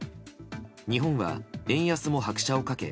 日本は円安も拍車を掛け